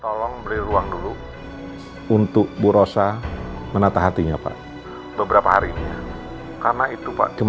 tolong beri ruang dulu untuk bu rosa menatah hatinya pak beberapa hari karena itu pak cuma